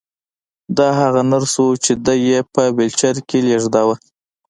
دا هغه نرس وه چې دی یې په ويلچر کې لېږداوه